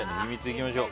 いきましょう。